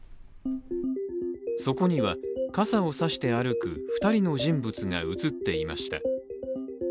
そこには、傘を差して歩く２人の人物が映っていました。